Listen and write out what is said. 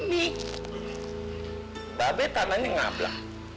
mbak be taruhnya ngabrak